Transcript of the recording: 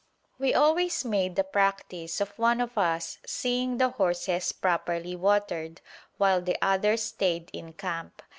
We always made a practice of one of us seeing the horses properly watered, while the other stayed in camp.